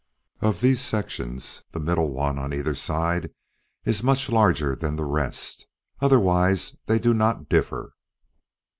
Of these sections the middle one on either side is much larger than the rest; otherwise they do not differ.